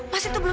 mas itu berapa